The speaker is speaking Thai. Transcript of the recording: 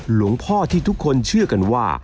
หลวงพ่อที่ทุกคนเชื่อกันว่า